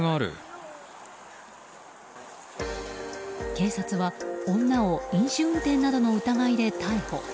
警察は女を飲酒運転などの疑いで逮捕。